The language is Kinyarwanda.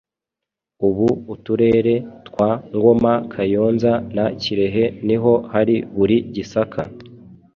Ubu uturere twa Ngoma, Kayonza na Kirehe niho hari buri Gisaka,